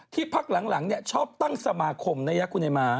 ที่พักหลังเนี่ยชอบตั้งสมาคมในยักษ์กุณีมะ